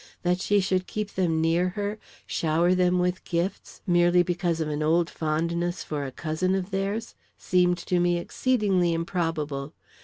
That she should keep them near her, shower them with gifts, merely because of an old fondness for a cousin of theirs, seemed to me exceedingly improbable.